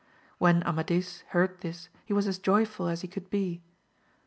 When Amadis heard this he was as joyful as he could be.